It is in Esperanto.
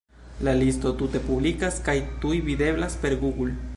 La listo tute publikas, kaj tuj videblas per Google.